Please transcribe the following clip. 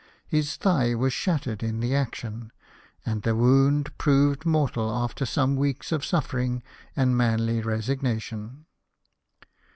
His thigh was shattered in the action ; and the wound proved mortal after some weeks of suffering and manly resignation.